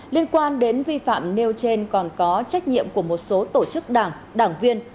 liên quan đến vi phạm nêu trên còn có trách nhiệm của một số tổ chức đảng đảng viên